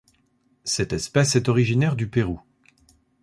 Cette espèce est originaire du Pérou.